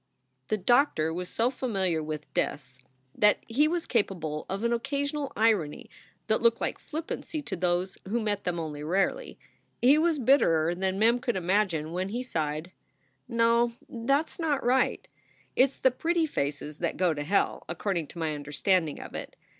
The doctor was so familiar with deaths that he was capable 3 26 SOULS FOR SALE of an occasional irony that looked like flippancy to those who met them only rarely. He was bitterer than Mem could imagine when he sighed: "No, that s right. It s the pretty faces that go to hell, according to my understanding of it.